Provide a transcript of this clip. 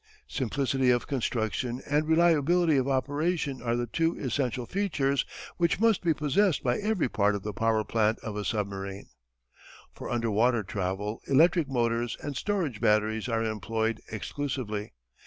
Simplicity of construction and reliability of operation are the two essential features which must be possessed by every part of the power plant of a submarine. For underwater travel electric motors and storage batteries are employed exclusively.